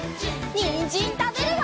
にんじんたべるよ！